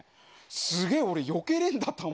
すげえ、俺、よけれんだ、弾。